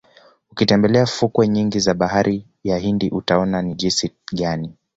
Ukitembelea fukwe nyingi za Bahari ya Hindi utaona ni jisi gani